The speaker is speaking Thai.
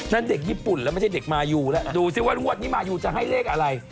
เด็กญี่ปุ่นแล้วไม่ใช่เด็กมายูแล้วดูสิว่างวดนี้มายูจะให้เลขอะไร